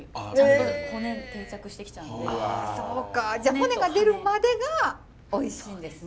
骨が出るまでがおいしいんですね。